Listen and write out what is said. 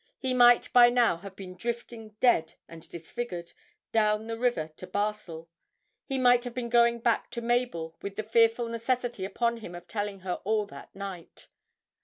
He might by now have been drifting, dead and disfigured, down the river to Basle; he might have been going back to Mabel with the fearful necessity upon him of telling her all that night.